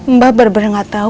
mbak bener bener gak tau